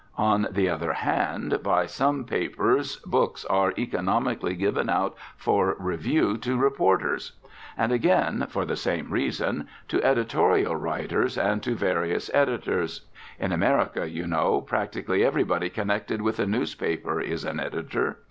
On the other hand, by some papers, books are economically given out for review to reporters. And again (for the same reason), to editorial writers and to various editors. In America, you know, practically everybody connected with a newspaper is an editor.